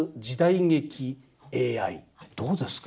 どうですか？